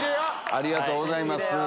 ありがとうございます。